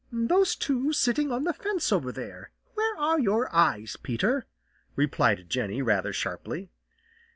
"Those two sitting on the fence over there. Where are your eyes, Peter?" replied Jenny rather sharply.